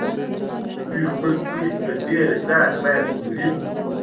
دوی خپل توکي په ډېره ګرانه بیه پلوري